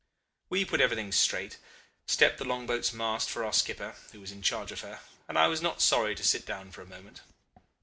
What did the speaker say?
"We put everything straight, stepped the long boat's mast for our skipper, who was in charge of her, and I was not sorry to sit down for a moment.